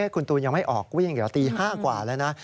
คุณตูนยังไม่ออกวิ่งเดี๋ยวตี๕กว่าแล้วนะ